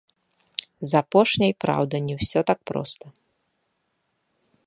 З апошняй, праўда, не ўсё так проста.